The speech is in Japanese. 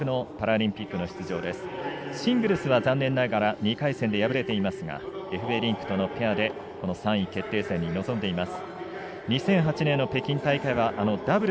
シングルスは残念ながら２回戦で敗れていますがエフベリンクとのペアで３位決定戦に臨んでいます。